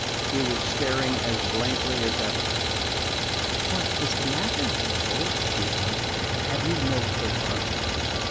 He was staring as blankly as ever. "What is the matter, Joe?" she asked. "Have you no paper?"